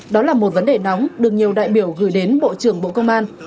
đó là một vấn đề nóng được nhiều đại biểu gửi đến bộ trưởng bộ công an